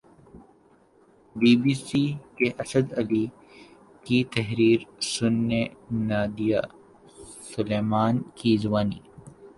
be B C کے اسد علی کی تحریر سنیے نادیہ سلیمان کی زبانی